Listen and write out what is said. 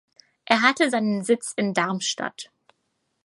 Er hatte seinen Sitz in Darmstadt.